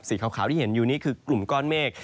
สีขาวที่เห็นอยู่นี่คือกลุ่มก้อนเมฆ